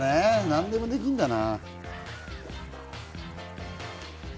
何でもできるんだな。